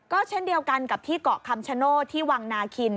ก็เช่นเดียวกันกับที่เกาะคำชโนธที่วังนาคิน